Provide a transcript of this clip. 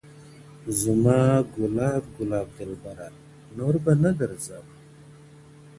• زما گلاب ،گلاب دلبره نور به نه درځمه.